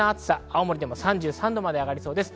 青森でも３３度まで上がります。